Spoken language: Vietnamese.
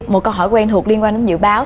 một câu hỏi quen thuộc liên quan đến dự báo